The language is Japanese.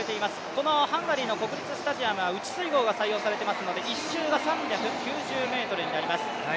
このハンガリーの国立スタジアムは内水濠が採用されていますので、１周が３９０ｍになります。